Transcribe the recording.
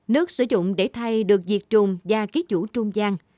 nước sử dụng để thay được diệt trùng và kiết vũ trung gian